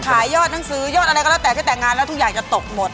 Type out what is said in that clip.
ยอดหนังสือยอดอะไรก็แล้วแต่ที่แต่งงานแล้วทุกอย่างจะตกหมด